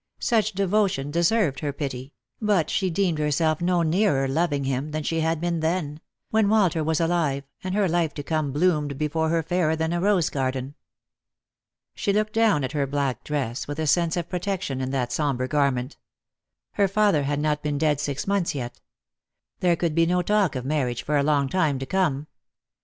Such devotion deserved her pity ; but she deemed herself no nearer loving him than she had been then — when Walter was alive, and her life to come bloomed before her fairer than a rose garden. She looked down at her black dress, with a sense of protection in that sombre garment. Her father had not been dead six months yet. There could be no talk of marriage for a long time to come.